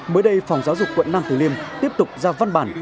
mới đây phòng giáo dục quận nam tử liêm tiếp tục ra văn bản